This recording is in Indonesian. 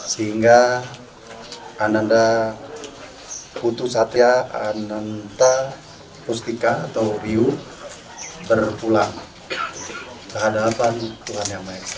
sehingga ananda putusatya ananta pustika atau biuh berpulang kehadapan tuhan yang maha esa